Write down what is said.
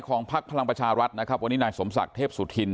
พักพลังประชารัฐนะครับวันนี้นายสมศักดิ์เทพสุธิน